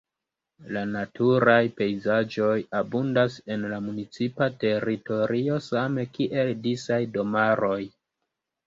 La naturaj pejzaĝoj abundas en la municipa teritorio same kiel disaj domaroj.